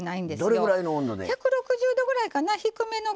どれぐらいの温度で？